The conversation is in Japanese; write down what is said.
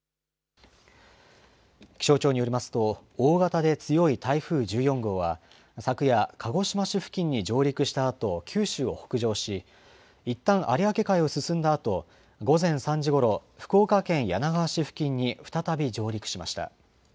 気象庁によりますと、大型で強い台風１４号は、昨夜、鹿児島市付近に上陸したあと、九州を北上し、いったん有明海を進んだあと、午前３時頃、福岡県柳川市付近に再び上陸しました。